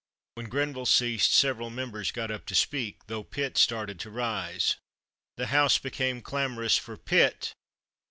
[When Grenville ceased, several members got up to speak, tho Pitt started to rise. The House became clamorous for Pitt!